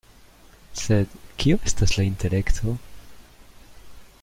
Sed kio estas la intelekto?